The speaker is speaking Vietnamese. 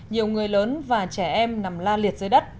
nhiều người lớn và trẻ em nằm la liệt dưới đất